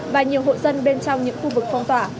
và nhiều hộ dân bên trong những khu vực phong tỏa